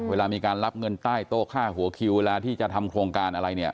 เวลามีการรับเงินใต้โต๊ะค่าหัวคิวเวลาที่จะทำโครงการอะไรเนี่ย